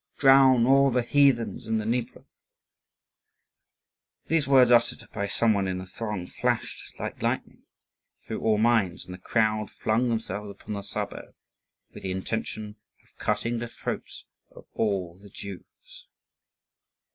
Drown all the heathens in the Dnieper!" These words uttered by some one in the throng flashed like lightning through all minds, and the crowd flung themselves upon the suburb with the intention of cutting the throats of all the Jews.